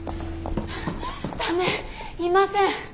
ダメいません。